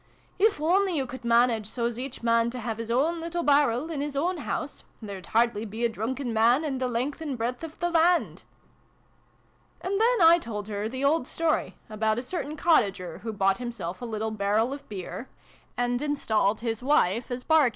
"If only you could manage, so's each man to have his own little barrel in his own house there'd hardly be a drunken man in the length and breadth of the land !" And then I told her the old story about a certain cottager who bought himself a little barrel of beer, and installed his wife as bar 72 SYLVIE AND BRUNO CONCLUDED.